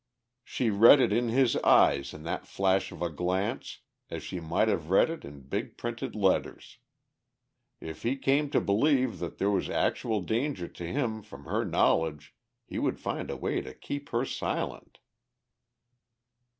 She read it in his eyes in that flash of a glance as she might have read it in big printed letters. If he came to believe that there was actual danger to him from her knowledge he would find a way to keep her silent.